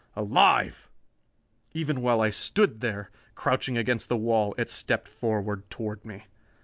Alive! Even while I stood there, crouching against the wall, it stepped forward toward me.